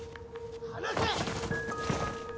離せ！